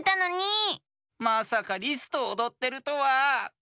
まさかリスとおどってるとは！